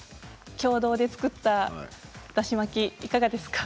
共同で作っただし巻き、いかがですか？